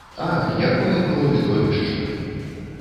Ах, якое было відовішча!